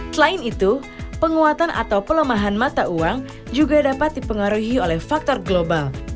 selain itu penguatan atau pelemahan mata uang juga dapat dipengaruhi oleh faktor global